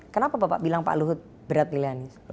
kenapa bapak bilang pak luhut berat pilihan